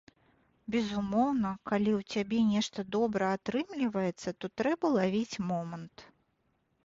Безумоўна, калі ў цябе нешта добра атрымліваецца, то трэба лавіць момант.